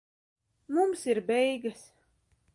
Mums ir beigas.